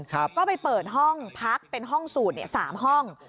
ก็ไปเปิดห้องพักเป็นห้องสูตร๓ห้อง